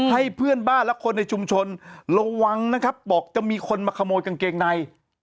ให้เพื่อนบ้านและคนในชุมชนระวังนะครับบอกจะมีคนมาขโมยกางเกงใน